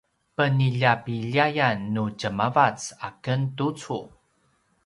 peniljapiljayan nu djemavac a ken tucu